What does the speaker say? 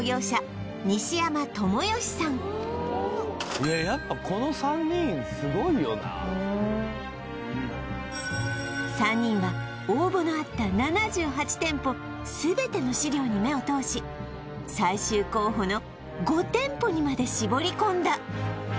そしていややっぱこの３人すごいよな３人は応募のあった７８店舗全ての資料に目を通し最終候補の５店舗にまで絞り込んだ